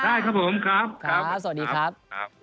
ได้ครับผมครับครับสวัสดีครับ